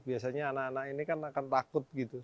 biasanya anak anak ini kan akan takut gitu